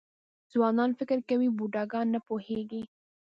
ځوانان فکر کوي بوډاګان نه پوهېږي .